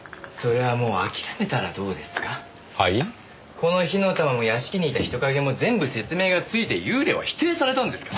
この火の玉も屋敷にいた人影も全部説明がついて幽霊は否定されたんですから！